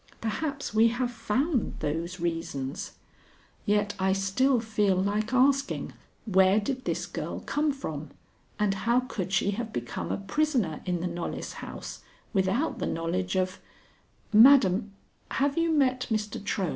Perhaps we have found those reasons, yet I still feel like asking, Where did this girl come from and how could she have become a prisoner in the Knollys house without the knowledge of Madam, have you met Mr. Trohm?"